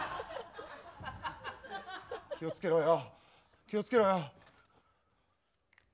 気をつけろよ気をつけろよ。